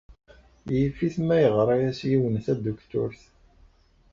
Yif-it ma yeɣra-as yiwen Tadukturt.